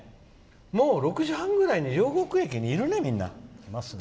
もう６時半ぐらいに両国駅にいるね、みんな。